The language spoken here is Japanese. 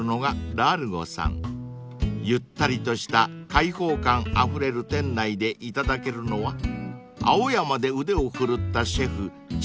［ゆったりとした開放感あふれる店内でいただけるのは青山で腕を振るったシェフ自慢の料理］